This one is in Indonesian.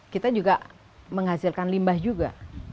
kita juga menghasilkan limbah juga